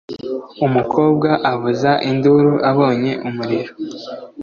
Umukobwa avuza induru abonye umuriro